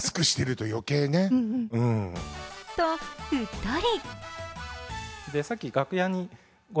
と、うっとり。